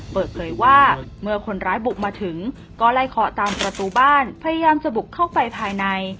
เปิดเผยว่าเมื่อคนร้ายบุกมาถึงก็ไล่เคาะตามประตูบ้านพยายามจะบุกเข้าไปภายใน